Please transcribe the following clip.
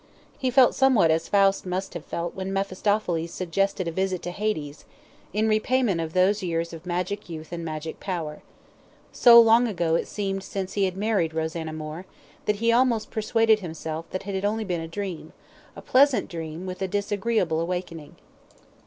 He felt somewhat as Faust must have felt when Mephistopheles suggested a visit to Hades, in repayment of those years of magic youth and magic power. So long ago it seemed since he had married Rosanna Moore, that he almost persuaded himself that it had been only a dream a pleasant dream, with a disagreeable awakening.